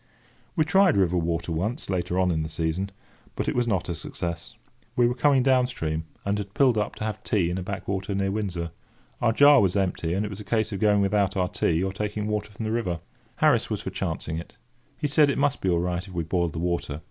We tried river water once, later on in the season, but it was not a success. We were coming down stream, and had pulled up to have tea in a backwater near Windsor. Our jar was empty, and it was a case of going without our tea or taking water from the river. Harris was for chancing it. He said it must be all right if we boiled the water.